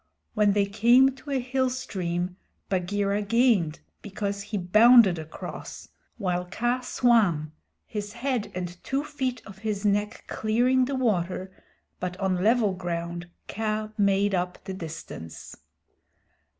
When they came to a hill stream, Bagheera gained, because he bounded across while Kaa swam, his head and two feet of his neck clearing the water, but on level ground Kaa made up the distance.